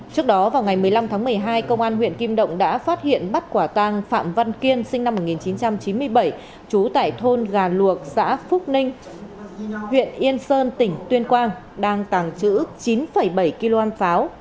trước đó vào ngày một mươi năm tháng một mươi hai công an huyện kim động đã phát hiện bắt quả tàng phạm văn kiên sinh năm một nghìn chín trăm chín mươi bảy trú tại thôn gà luộc xã phúc ninh huyện yên sơn tỉnh tuyên quang đang tàng trữ chín bảy kg pháo